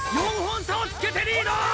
４本差をつけてリード！